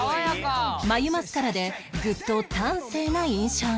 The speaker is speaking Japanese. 眉マスカラでぐっと端正な印象に